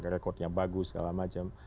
rekodnya bagus segala macam